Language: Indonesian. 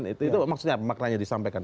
itu maksudnya maknanya disampaikan